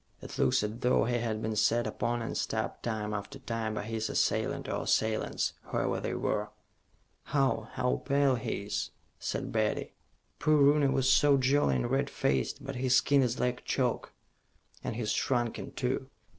"It looks as though he had been set upon and stabbed time after time by his assailant or assailants, whoever they were." "How how pale he is," said Betty. "Poor Rooney was so jolly and red faced, but his skin is like chalk." "And he's shrunken, too.